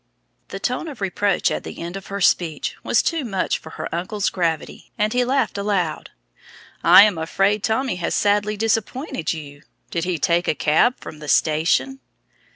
The tone of reproach at the end of her speech was too much for her uncle's gravity, and he laughed aloud. "I am afraid Tommy has sadly disappointed you. Did he take a cab from the station?"